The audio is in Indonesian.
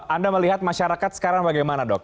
anda melihat masyarakat sekarang bagaimana dok